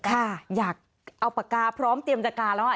ค่ะอยากเอาปากกาพร้อมเตรียมจะกาแล้วอ่ะ